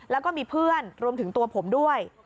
แล้วก็มีเพื่อนรวมถึงตัวผมด้วย